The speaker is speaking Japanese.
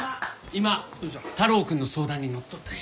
今太郎くんの相談にのっとったんよ。